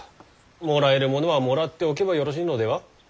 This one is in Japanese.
もらえるものはもらっておけばよろしいのでは？